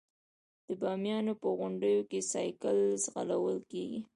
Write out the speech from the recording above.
د بامیانو په غونډیو کې سایکل ځغلول کیږي.